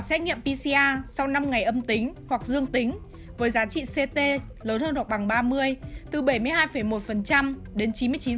xét nghiệm pcr sau năm ngày âm tính hoặc dương tính với giá trị ct lớn hơn hoặc bằng ba mươi từ bảy mươi hai một đến